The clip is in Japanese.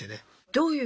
どういう？